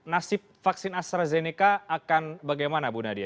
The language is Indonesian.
nasib vaksin astrazeneca akan bagaimana bu nadia